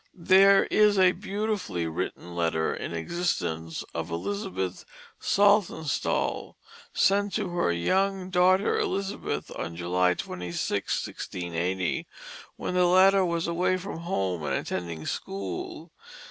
There is a beautifully written letter in existence of Elizabeth Saltonstall, sent to her young daughter Elizabeth on July 26, 1680, when the latter was away from home and attending school.